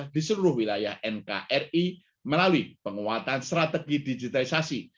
di seluruh wilayah nkri melalui penguatan strategi digitalisasi